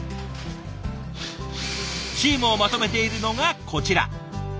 チームをまとめているのがこちら。